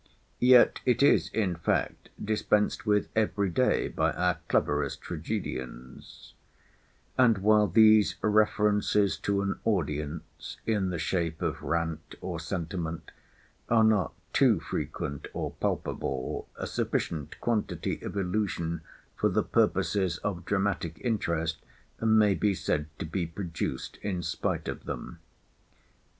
Yet it is, in fact, dispensed with every day by our cleverest tragedians; and while these references to an audience, in the shape of rant or sentiment, are not too frequent or palpable, a sufficient quantity of illusion for the purposes of dramatic interest may be said to be produced in spite of them.